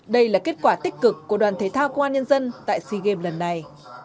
đây là kết quả tích cực của đoàn thể thao công an nhân dân tại sea games lần này